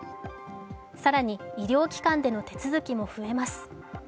更に医療機関での手続きも増えます。